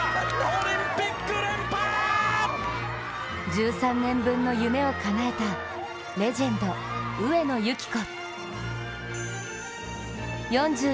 １３年分の夢をかなえたレジェンド・上野由岐子。